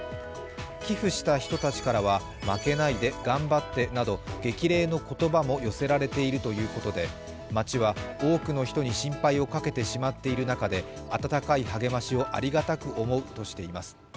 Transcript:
寄付した人たちからは「負けないで」「頑張って」など激励の言葉も寄せられているということで町は多くの人に心配をかけてしまっている中で温かい励ましをありがたく思うとしています。